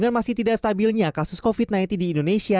dan masih tidak stabilnya kasus covid sembilan belas di indonesia